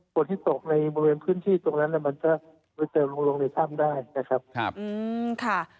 ฝนที่ตกในบริเวณพื้นที่ตรงนั้นมันจะไปเติมลงในถ้ำได้นะครับค่ะ